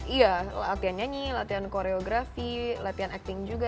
iya latihan nyanyi latihan koreografi latihan acting juga